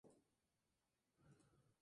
Dayan nació en Buenos Aires, Argentina.